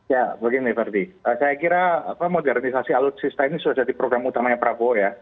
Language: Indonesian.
ya begini ferdi saya kira modernisasi alutsista ini sudah jadi program utamanya prabowo ya